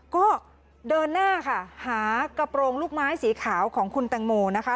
ก็เดินหน้าค่ะหากระโปรงลูกไม้สีขาวของคุณแตงโมนะคะ